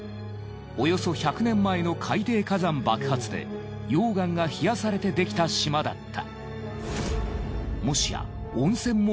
およそ１００年前の海底火山爆発で溶岩が冷やされてできた島だった。